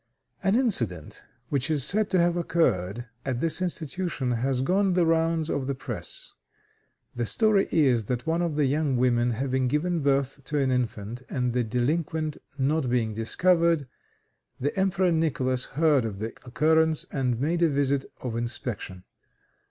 An incident which is said to have occurred at this institution has gone the rounds of the press. The story is, that one of the young women having given birth to an infant, and the delinquent not being discovered, the Emperor Nicholas heard of the occurrence, and made a visit of inspection.